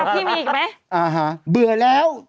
พี่มีอีกไหม